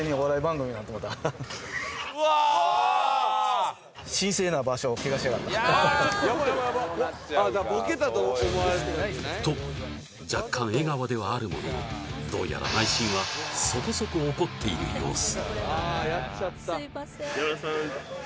わあー！と若干笑顔ではあるもののどうやら内心はそこそこ怒っている様子